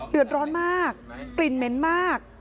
เดือดร้อนมากกลิ่นเหม็นมาก